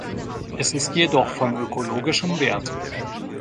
Es ist jedoch von ökologischem Wert.